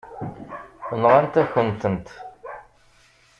Nɣant-akent-tent.